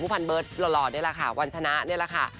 พันเบิร์ตหล่อนี่แหละค่ะวันชนะนี่แหละค่ะ